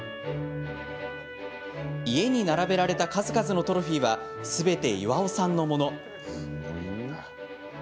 家に並べられた数々のトロフィーはすべて巌さんのもの。